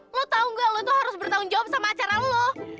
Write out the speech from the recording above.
lo tahu nggak lu tuh harus bertanggung jawab sama acara lo